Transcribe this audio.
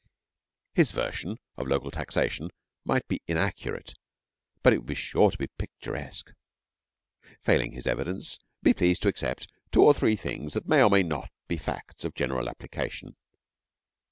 His version of local taxation might be inaccurate, but it would sure to be picturesque. Failing his evidence, be pleased to accept two or three things that may or may not be facts of general application.